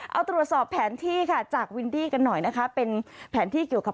เอาตรวจสอบแผนที่ค่ะจากวินดี้กันหน่อยนะคะ